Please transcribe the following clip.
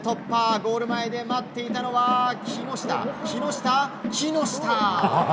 ゴール前で待っていたのは木下、木下、木下！